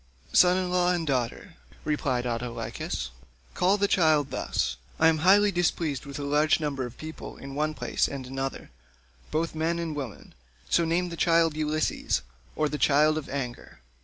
"Son in law and daughter," replied Autolycus, "call the child thus: I am highly displeased with a large number of people in one place and another, both men and women; so name the child 'Ulysses,' or the child of anger.